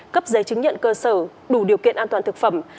cấp giấy chứng nhận cơ sở đủ điều kiện an toàn thực phẩm